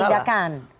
mantan deputi pendidikan